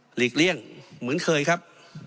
หลีกเลี่ยงเหมือนเคยครับ